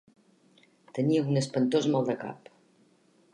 Tenia un espantós mal de cap.